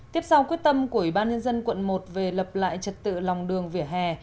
tiếp sau quyết tâm của ủy ban nhân dân quận một về lập lại trật tự lòng đường vỉa hè